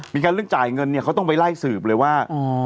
มีการเรื่องจ่ายเงินเนี่ยเขาต้องไปไล่สืบเลยว่า